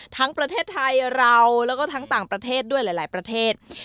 ทั้งประเทศไทยเราแล้วก็ทั้งต่างประเทศด้วยหลายประเทศ